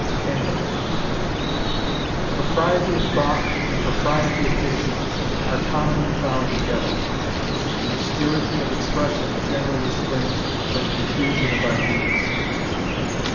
CAMPBELL. Propriety of thought and propriety of diction are commonly found together. Obscurity of expression generally springs from confusion of ideas.